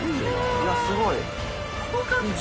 いやすごい。